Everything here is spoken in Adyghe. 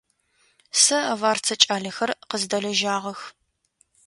Сэ аварцэ кӏалэхэр къыздэлэжьагъэх.